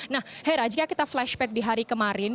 nah hera jika kita flashback di hari kemarin